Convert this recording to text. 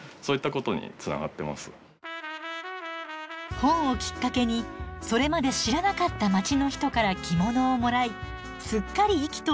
本をきっかけにそれまで知らなかった街の人から着物をもらいすっかり意気投合しました。